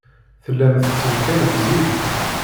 Tellam tettenkarem zik.